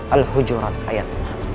al hujurat ayat enam